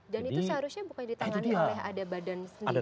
dan itu seharusnya bukan ditangani oleh ada badan sendiri